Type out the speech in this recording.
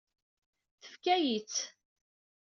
Tefka-yi-tt.